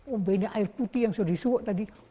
umba ini air putih yang sudah disuwuk tadi